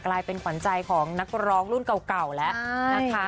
กลายเป็นขวัญใจของนักร้องรุ่นเก่าแล้วนะคะ